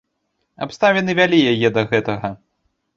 Абставіны вялі яе да гэтага.